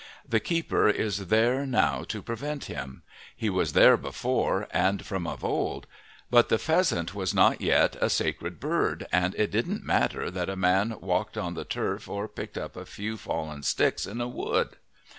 The keeper is there now to prevent him; he was there before, and from of old, but the pheasant was not yet a sacred bird, and it didn't matter that a man walked on the turf or picked up a few fallen sticks in a wood.